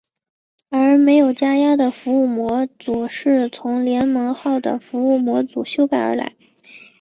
而没有加压的服务模组是从联盟号的服务模组修改而来。